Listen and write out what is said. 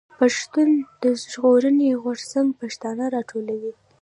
پښتون ژغورني غورځنګ پښتانه راټولوي.